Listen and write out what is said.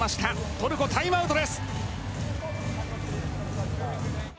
トルコ、タイムアウトです。